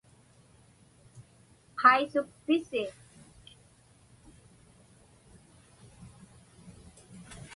Qaisukpisi?